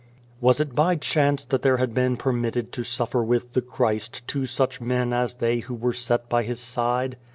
Was it by chance that there had been permitted to suffer with the Christ two such men as they who were set by His side?